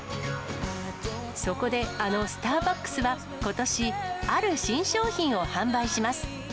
そこであのスターバックスはことし、ある新商品を販売します。